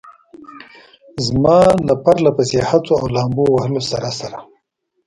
زما له پرله پسې هڅو او لامبو وهلو سره سره.